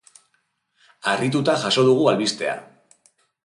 Harrituta jaso dugu albistea.